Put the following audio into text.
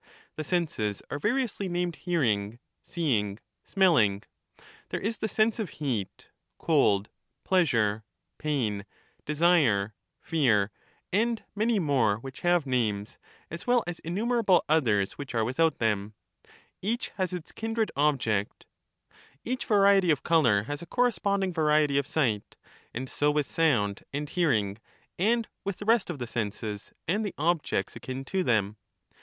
The senses are variously named hearing, seeing, smelling ; there is the sense of heat, cold, pleasure, pain, desire, fear, and many more which have names, as well as innumerable others which are without them ; each has its kindred object, — each variety of colour has a corresponding variety of sight, and so with Digitized by VjOOQIC Two kinds of motion, a slower and a quicker. 211 sound and hearing, and with the rest of the senses and the Theaetetus, objects akin to them.